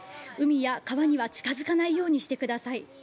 海や川には近づかないようにしてください。